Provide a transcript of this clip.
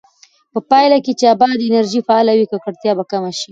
په پایله کې چې باد انرژي فعاله وي، ککړتیا به کمه شي.